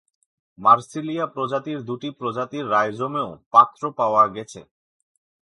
"Marsilea" প্রজাতির দুটি প্রজাতির রাইজোমেও পাত্র পাওয়া গেছে।